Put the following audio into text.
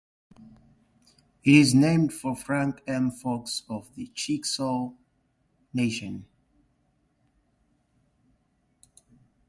It is named for Frank M. Fox of the Chickasaw Nation.